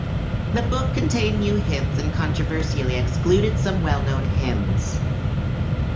The book contained new hymns and controversially excluded some well known hymns.